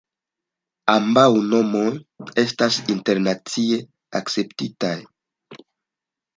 Ambaŭ nomoj estas internacie akceptitaj.